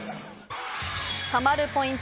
ハマるポイント